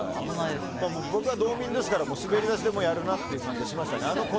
僕は道民ですから滑り出しでやるなという感じはしました。